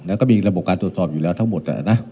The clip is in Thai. แล้วก็มีระบบการตรวจสอบอยู่แล้วทั้งหมด